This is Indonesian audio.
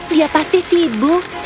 dia pasti sibuk